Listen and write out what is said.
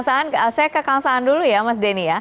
saya ke kang saan dulu ya mas denny ya